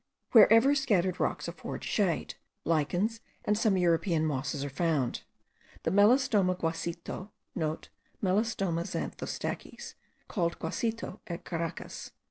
Wherever scattered rocks afford shade, lichens and some European mosses are found. The Melastoma guacito,* (* Melastoma xanthostachys, called guacito at Caracas.)